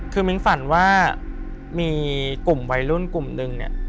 คือมิ้นฝันว่ามีกลุ่มวัยรุ่นกลุ่มนึงเนี่ย